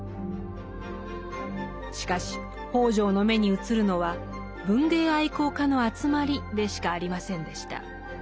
しかし北條の眼に映るのは「文芸愛好家の集まり」でしかありませんでした。